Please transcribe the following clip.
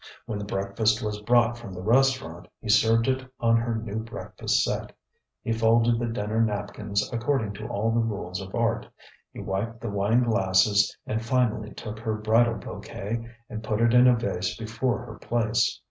When the breakfast was brought from the restaurant, he served it on her new breakfast set. He folded the dinner napkins according to all the rules of art. He wiped the wine glasses, and finally took her bridal bouquet and put it in a vase before her place.